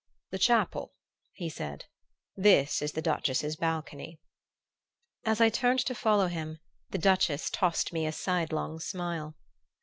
"The chapel," he said. "This is the Duchess's balcony." As I turned to follow him the Duchess tossed me a sidelong smile.